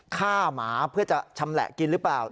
หมาเพื่อจะชำแหละกินหรือเปล่า